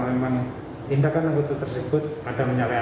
kalau memang tindakan anggota tersebut ada menyalai aturan